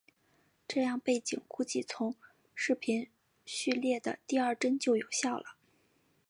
这样背景估计从视频序列的第二帧就有效了。